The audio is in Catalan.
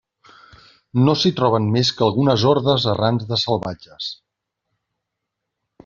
No s'hi troben més que algunes hordes errants de salvatges.